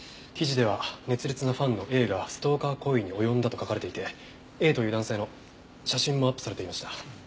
記事では熱烈なファンのＡがストーカー行為に及んだと書かれていてＡという男性の写真もアップされていました。